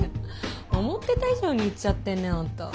思ってた以上にいっちゃってんねあんた。